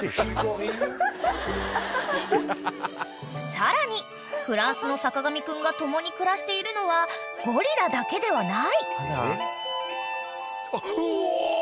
［さらにフランスの坂上くんが共に暮らしているのはゴリラだけではない］